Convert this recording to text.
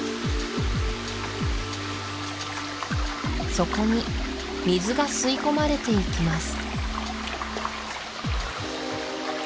そこに水が吸い込まれていきます